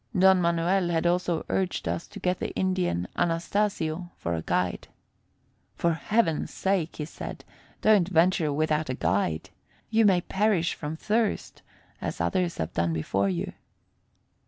Don Manuel had also urged us to get the Indian Anastasio for a guide. "For heaven's sake," he said, "don't venture without a guide. You may perish from thirst, as others have done before you."